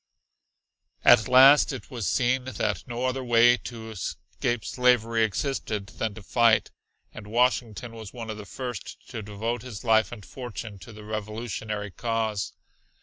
At last it was seen that no other way to escape slavery existed than to fight. And Washington was one of the first to devote his life and fortune to the Revolutionary cause.